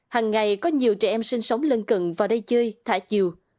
hằng ngày có nhiều trẻ em sinh sống lân cận vào đây chơi thả chiều